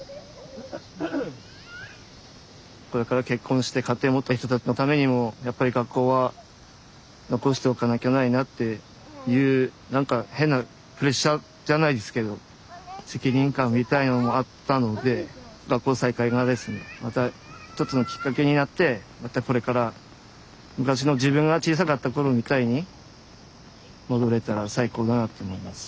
これから結婚して家庭を持った人たちのためにもやっぱり学校は残しておかなきゃないなっていうなんか変なプレッシャーじゃないですけど責任感みたいのもあったので学校再開がですねまた一つのきっかけになってまたこれから昔の自分が小さかった頃みたいに戻れたら最高だなと思います。